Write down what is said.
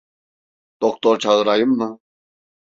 Doktor çağırayım mı?